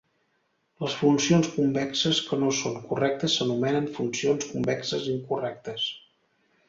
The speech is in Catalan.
Les funcions convexes que no són correctes s'anomenen "funcions convexes incorrectes".